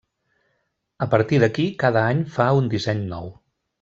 A partir d’aquí, cada any fa un disseny nou.